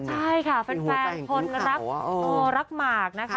ใช่ค่ะแฟนคนรักรักหมากนะคะ